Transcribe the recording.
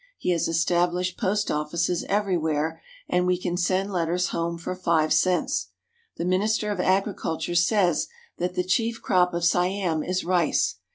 He has established post offices everywhere, and we can send letters home for five cents. The Minister of Agriculture says that the chief crop of Siam is rice.